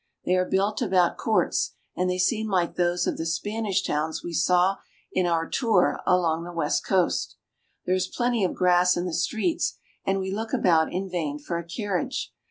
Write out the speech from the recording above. They are built about courts, and they seem like those of the Spanish towns we saw in our tour along the west coast. There is plenty of grass in the streets, and we look about in vain for a carriage.